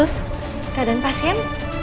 sus keadaan pasien